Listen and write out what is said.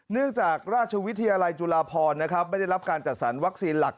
เนื่องจากราชวิทยาลัยจุฬาพรนะครับไม่ได้รับการจัดสรรวัคซีนหลัก